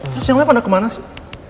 terus yang melihat pada kemana sih